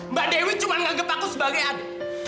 mbak dewi cuma ngagep aku sebagai adik